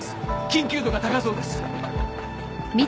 緊急度が高いそうです。